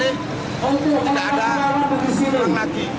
sehingga tidak ada buruh lagi